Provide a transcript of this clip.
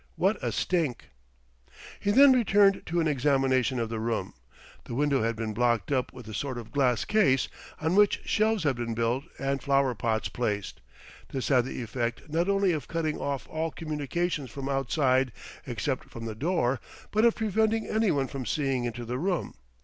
"What a stink!" He then turned to an examination of the room. The window had been blocked up with a sort of glass case, on which shelves had been built and flower pots placed. This had the effect not only of cutting off all communications from outside except from the door; but of preventing anyone from seeing into the room.